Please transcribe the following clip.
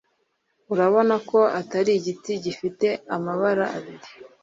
urabona ko Atari igiti gifite amabara abiri